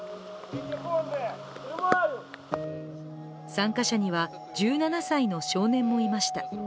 参加者には１７歳の少年もいました。